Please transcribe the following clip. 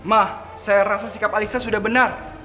mah saya rasa sikap alexa sudah benar